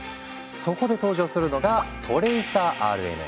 そこで登場するのが「トレイサーＲＮＡ」。